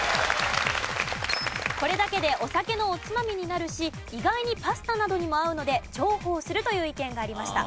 これだけでお酒のおつまみになるし意外にパスタなどにも合うので重宝するという意見がありました。